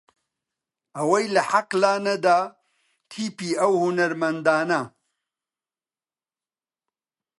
ئەوەی لە حەق لا نەدا تیپی ئەو هونەرمەندانە